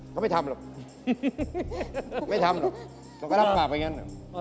เขาไม่ทำหรอกไม่ทำหรอกเราก็รับปากไปงั้น